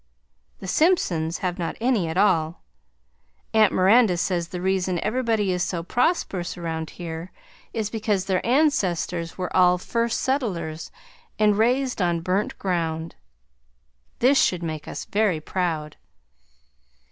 The Simpsons have not any at all. Aunt Miranda says the reason everybody is so prosperous around here is because their ancestors were all first settlers and raised on burnt ground. This should make us very proud.